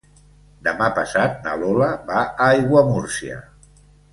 Demà passat na Lola va a Aiguamúrcia.